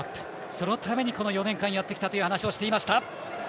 そのために、この４年間やってきたという話をしていました。